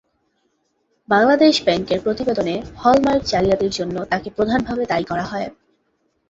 বাংলাদেশ ব্যাংকের প্রতিবেদনে হল-মার্ক জালিয়াতির জন্য তাঁকে প্রধানভাবে দায়ী করা হয়।